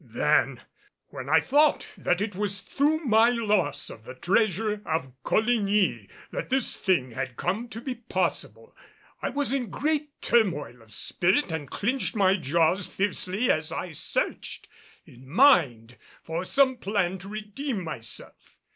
Then, when I thought that it was through my loss of the treasure of Coligny that this thing had come to be possible, I was in great turmoil of spirit and clinched my jaws fiercely as I searched in mind for some plan to redeem myself.